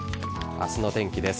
明日の天気です。